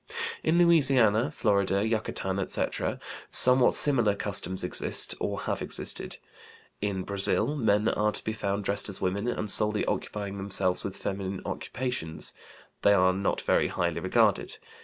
In Louisiana, Florida, Yucatan, etc., somewhat similar customs exist or have existed. In Brazil men are to be found dressed as women and solely occupying themselves with feminine occupations; they are not very highly regarded.